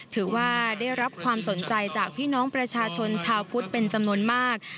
ถือว่าได้รับความสนใจจากพี่น้องประชาชนชาวพุทธเป็นจำนวนมาก